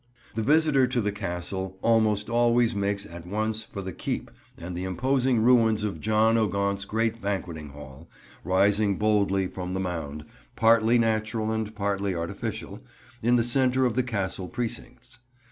The visitor to the Castle almost always makes at once for the keep and the imposing ruins of John o' Gaunt's great Banqueting Hall, rising boldly from the mound, partly natural and partly artificial, in the centre of the Castle precincts.